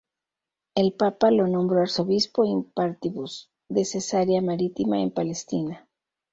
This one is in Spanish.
El Papa le nombró arzobispo "in partibus" de Cesarea Marítima en Palestina.